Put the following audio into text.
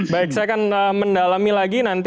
baik saya akan mendalami lagi nanti